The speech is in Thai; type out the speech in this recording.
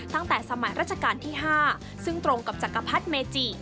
ตั้งแต่สมัยราชการที่๕ซึ่งตรงกับจักรพรรดิเมจิ